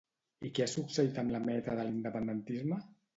I què ha succeït amb la meta de l'independentisme?